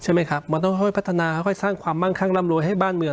ใช่ไหมครับมันต้องค่อยพัฒนาค่อยสร้างความมั่งคั่งร่ำรวยให้บ้านเมือง